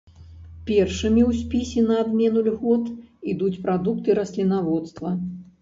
Першымі ў спісе на адмену льгот ідуць прадукты раслінаводства.